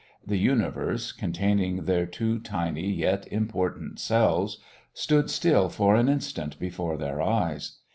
The universe, containing their two tiny yet important selves, stood still for an instant before their eyes.